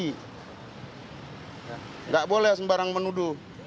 tidak boleh sembarang menuduh